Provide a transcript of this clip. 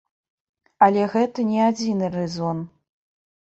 Але гэта не адзіны рэзон.